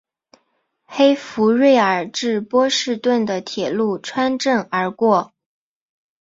黑弗瑞尔至波士顿的铁路穿镇而过。